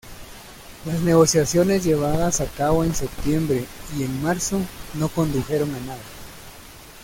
Las negociaciones llevadas a cabo en septiembre y en marzo no condujeron a nada.